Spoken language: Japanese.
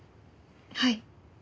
はい。